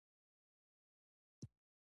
خو چندان مرګ ژوبله یې نه ده اړولې.